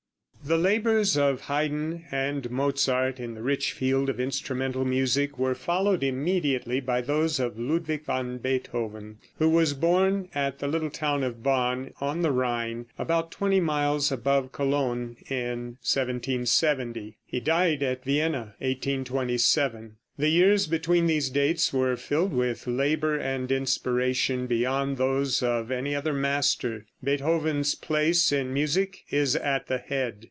The labors of Haydn and Mozart in the rich field of instrumental music were followed immediately by those of Ludwig van Beethoven, who was born at the little town of Bonn, on the Rhine, about twenty miles above Cologne, in 1770. He died at Vienna, 1827. The years between these dates were filled with labor and inspiration, beyond those of any other master. Beethoven's place in music is at the head.